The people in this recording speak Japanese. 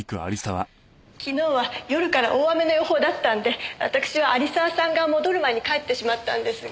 昨日は夜から大雨の予報だったんで私は有沢さんが戻る前に帰ってしまったんですが。